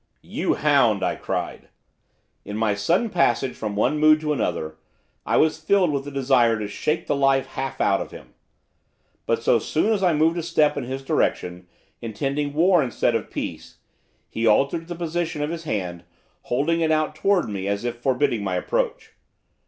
'You hound!' I cried. In my sudden passage from one mood to another, I was filled with the desire to shake the life half out of him. But so soon as I moved a step in his direction, intending war instead of peace, he altered the position of his hand, holding it out towards me as if forbidding my approach.